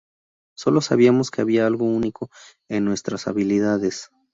Solo sabíamos que había algo único en nuestras habilidades.